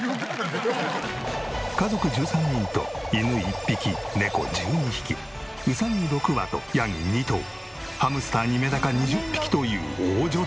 家族１３人と犬１匹猫１２匹うさぎ６羽とヤギ２頭ハムスターにメダカ２０匹という大所帯。